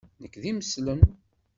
Nekk d imeslem.